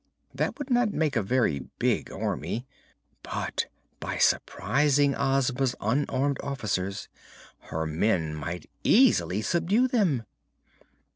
That would not make a very big Army, but by surprising Ozma's unarmed officers her men might easily subdue them.